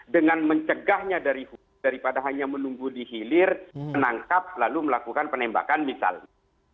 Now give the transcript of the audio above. dengan mencegahnya daripada hanya menunggu di hilir menangkap lalu melakukan penembakan misalnya